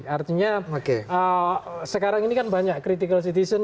artinya sekarang ini kan banyak critical citizen